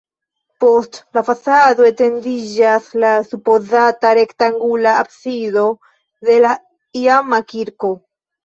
Post la fasado etendiĝas la supozata rektangula absido de la iama kirko.